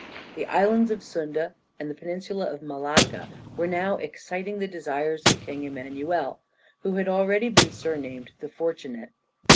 The Islands of Sunda, and the Peninsula of Malacca, were now exciting the desires of King Emmanuel, who had already been surnamed "the fortunate."